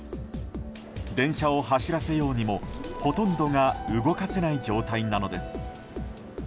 電車を走らせようにもほとんどが動かせない状態なのです。